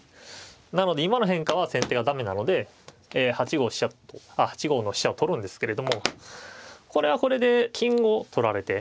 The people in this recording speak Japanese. なので今の変化は先手が駄目なので８五の飛車を取るんですけれどもこれはこれで金を取られて。